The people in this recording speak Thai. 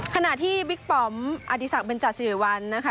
ขณะที่บิ๊กปอมอาธิษัตริย์เบนจัตริยวันนะคะ